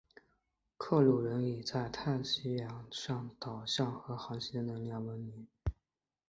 克鲁人以其在大西洋上导向和航行的能力而闻名。